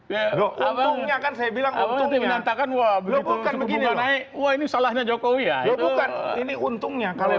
ya loh saya bilang bilang menantangkan wah ini salahnya jokowi ya ini untungnya kalau